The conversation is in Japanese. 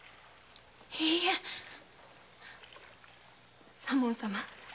いいえ左門様